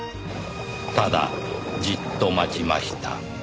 「ただじっと待ちました」